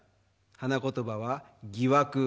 花言葉は「疑惑」